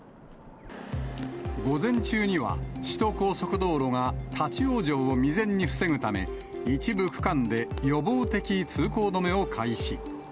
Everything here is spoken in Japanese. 午前中には、首都高速道路が立往生を未然に防ぐため、一部区間で予防的通行止めを開始。